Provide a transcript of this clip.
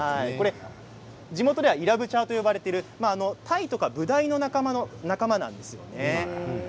地元ではイラブチャーと呼ばれているタイとかブダイの仲間の魚なんですね。